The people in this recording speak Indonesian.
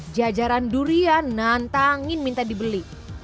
jajaran durian nantangin minta dibeli